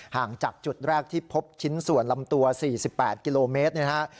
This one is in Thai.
ห่างจากจุดแรกที่พบชิ้นส่วนลำตัว๔๘กิโลเมตรเนี่ยนะฮะ